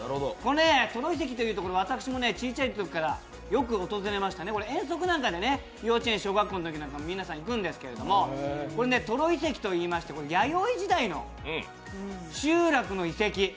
登呂遺跡というところ、私も小さいときからよく訪れましたね、遠足なんかで幼稚園、小学校でも皆さん行くんですけど、これね、登呂遺跡と言いまして弥生時代の集落の遺跡。